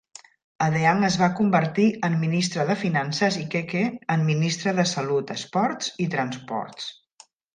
Adeang es va convertir en ministre de finances i Keke en ministre de salut, esports i transports.